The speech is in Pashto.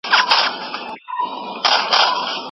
ښځې د ماشومانو په اخلاقي روزنه کې اغېزناک رول لري.